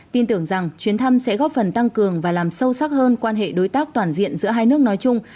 tin tưởng rằng chuyến thăm sẽ góp phần tăng cường và làm sâu sắc hơn quan hệ đối tác toàn diện giữa hai nước nói chung